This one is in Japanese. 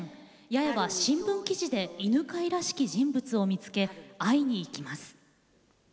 八重は新聞記事で犬飼らしき人物を見つけ会いに行きます。